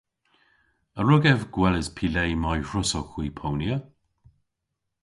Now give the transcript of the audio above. A wrug ev gweles py le may hwrussowgh hwi ponya?